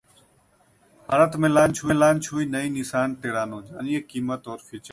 भारत में लॉन्च हुई नई Nissan Terrano, जानिए कीमत और फीचर्स